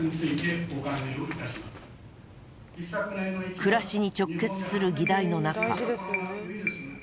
暮らしに直結する議題の中。